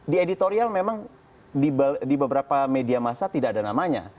di editorial memang di beberapa media masa tidak ada namanya